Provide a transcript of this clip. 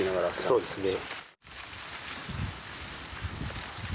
そうですね。